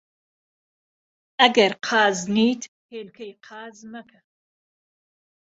ئەگەر قازنیت، هێلکەی قاز مەکە